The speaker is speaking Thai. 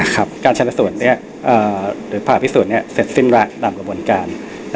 การใช้ละส่วนหรือผ่าพิสูจน์เสร็จสิ้นรักดำกับบนการ